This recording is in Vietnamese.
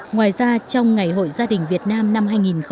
ngoài ra trong ngày hội gia đình việt nam năm hai nghìn hai mươi